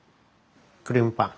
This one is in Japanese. クリームパン。